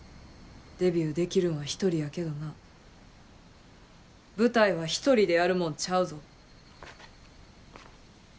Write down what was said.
デビューできるんは１人やけどな舞台は１人でやるもんちゃうぞ。